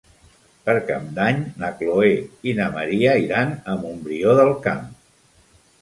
Per Cap d'Any na Chloé i na Maria iran a Montbrió del Camp.